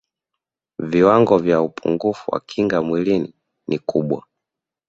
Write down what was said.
viwango vya upungufu wa kinga mwilini ni kubwa